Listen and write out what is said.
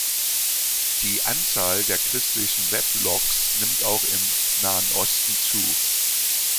Die Anzahl der christlichen Weblogs nimmt auch im Nahen Osten zu.